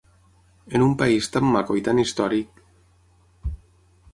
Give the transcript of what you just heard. En un país tan maco i tan històric…